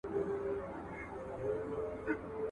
موبایل په لوړ اواز زنګ وواهه.